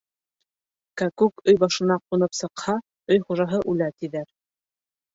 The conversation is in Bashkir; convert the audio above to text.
Кәкүк өй башына ҡунып ҡысҡырһа, өй хужаһы үлә, тиҙәр.